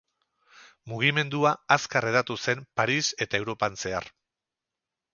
Mugimendua azkar hedatu zen Paris eta Europan zehar.